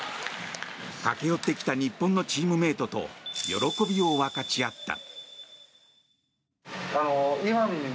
駆け寄ってきた日本のチームメートと喜びを分かち合った。